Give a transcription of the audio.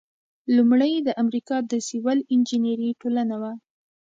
لومړۍ د امریکا د سیول انجینری ټولنه وه.